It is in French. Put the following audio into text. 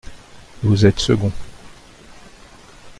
Vous êtes second.